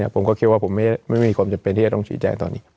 ผมก็คิดว่าผมไม่มีความจำเป็นที่จะต้องชี้แจงตอนนี้